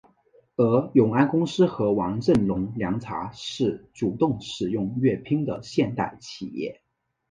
而永安公司和黄振龙凉茶是主动使用粤拼的现代企业。